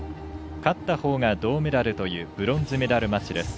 勝ったほうが銅メダルというブロンズメダルマッチです。